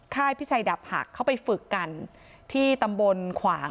พิชัยดับหักเข้าไปฝึกกันที่ตำบลขวาง